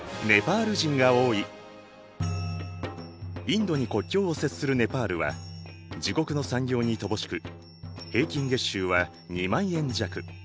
インドに国境を接するネパールは自国の産業に乏しく平均月収は２万円弱。